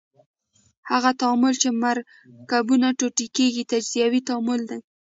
هغه تعامل چې مرکبونه ټوټه کیږي تجزیوي تعامل دی.